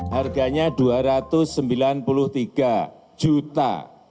harganya rp dua ratus sembilan puluh tiga juta